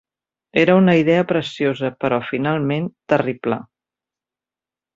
Era una idea preciosa, però finalment, terrible.